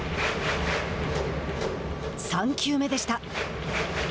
３球目でした。